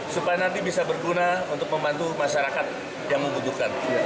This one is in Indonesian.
supaya nanti bisa berguna untuk membantu masyarakat yang membutuhkan